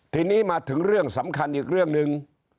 ทีนี้มาถึงเรื่องสำคัญอีกเรื่องหนึ่ง